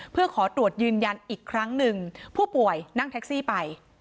เพื่อขอตรวจยืนยันอีกครั้งหนึ่งผู้ป่วยนั่งแท็กซี่ไป